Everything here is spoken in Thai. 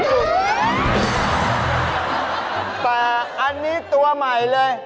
แต่อันนี้ตัวใหม่เลย